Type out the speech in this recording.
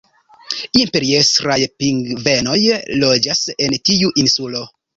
Imperiestraj pingvenoj loĝas en tiu insulo.